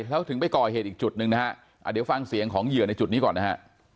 แล้วถึงไปก่อเหตุอีกจุดหนึ่งนะฮะเดี๋ยวฟังเสียงของเหยื่อในจุดนี้ก่อนนะฮะ